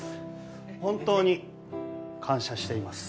本当に感謝しています。